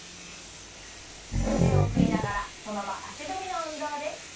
腕を振りながらその場足踏みの運動です。